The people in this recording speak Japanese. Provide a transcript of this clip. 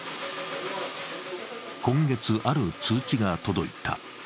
今月、ある通知が届いた。